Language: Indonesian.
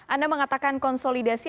anda mengatakan konsolidasi